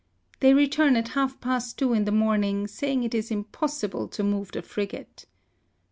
They return at half past two in the morning, saying it is impossible to move the frigate.